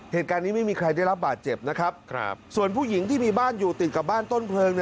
เหตุการณ์นี้ไม่มีใครได้รับบาดเจ็บนะครับส่วนผู้หญิงที่มีบ้านอยู่ติดกับบ้านต้นเพลิง